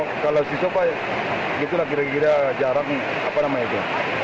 oh kalau siswa pak itulah kira kira jarang apa namanya itu